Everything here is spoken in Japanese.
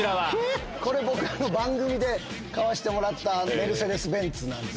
番組で買わせてもらったメルセデス・ベンツなんです。